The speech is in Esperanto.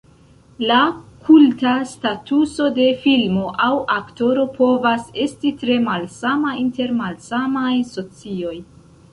La kulta statuso de filmo aŭ aktoro povas esti tre malsama inter malsamaj socioj.